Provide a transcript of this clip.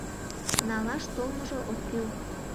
Налаш толмыжо ок кӱл.